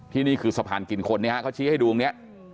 ที่นี่คือสะพานกินคนเนี่ยเค้าชี้ให้ดูอย่างเนี่ย